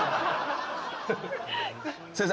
先生